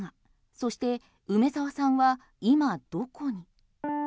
そして梅澤さんは今どこに。